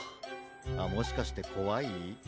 あっもしかしてこわい？